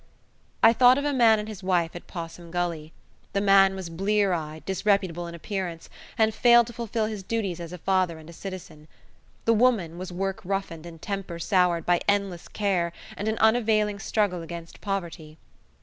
I thought of a man and his wife at Possum Gully. The man was blear eyed, disreputable in appearance, and failed to fulfil his duties as a father and a citizen. The woman was work roughened and temper soured by endless care and an unavailing struggle against poverty.